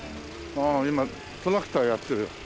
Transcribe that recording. ああ今トラクターやってるよ。